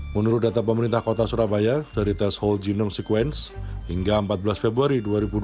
menurut data pemerintah kota surabaya dari tes whole genome sequence hingga empat belas februari dua ribu dua puluh